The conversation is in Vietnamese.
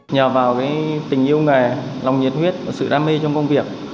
nhờ vào tình yêu nghề lòng nhiệt huyết và sự đam mê trong công việc